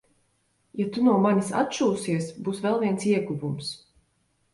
Ja tu no manis atšūsies, būs vēl viens ieguvums.